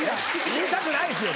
言いたくないですよ。